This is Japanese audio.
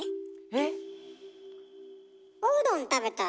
えっ？